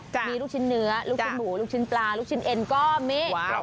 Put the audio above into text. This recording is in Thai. มีลูกชิ้นเนื้อลูกชิ้นหมูลูกชิ้นปลาลูกชิ้นเอ็นก็มี